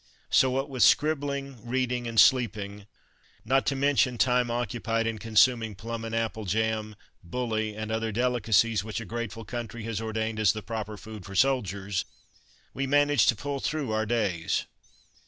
So what with scribbling, reading and sleeping, not to mention time occupied in consuming plum and apple jam, bully, and other delicacies which a grateful country has ordained as the proper food for soldiers, we managed to pull through our days.